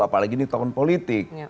apalagi ini tahun politik